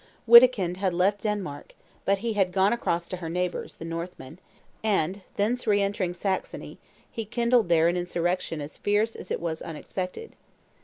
Wittikind had left Denmark; but he had gone across to her neighbors, the Northmen; and, thence re entering Saxony, he kindled there an insurrection as fierce as it was unexpected.